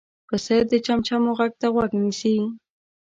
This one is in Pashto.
پسه د چمچمو غږ ته غوږ نیسي.